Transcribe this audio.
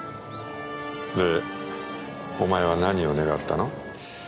でお前は何を願ったの？